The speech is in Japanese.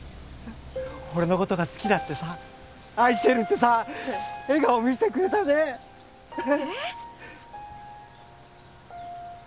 俺の事が好きだってさ愛してるってさ笑顔を見せてくれたよね？え！？